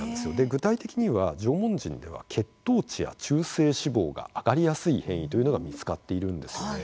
具体的には、縄文人には血糖値や中性脂肪が上がりやすい変異というのが見つかっているんですよね。